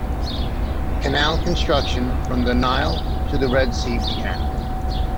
Canal construction from the Nile to the Red Sea began.